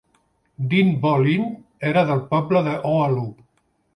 Dinh Bo Linh era del poble de Hoa Lu.